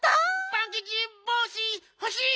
パンキチぼうしほしい！